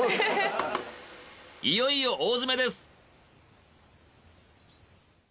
いよいよ大詰めです！